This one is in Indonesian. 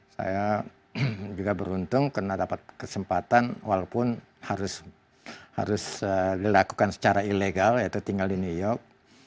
saya juga beruntung karena dapat kesempatan walaupun harus dilakukan secara ilegal yaitu tinggal di new york